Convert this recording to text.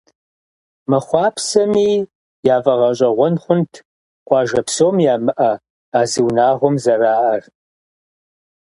Мыхъуапсэми, яфӏэгъэщӏэгъуэн хъунт, къуажэ псом ямыӏэ а зы унагъуэм зэраӏэр.